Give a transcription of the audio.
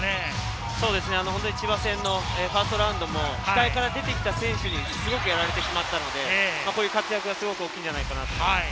千葉戦のファーストラウンドも出てきた選手にやられてしまったので、こういう活躍はすごく大きいんじゃないかなと思います。